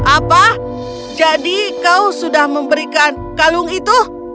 apa jadi kau sudah memberikan kalung itu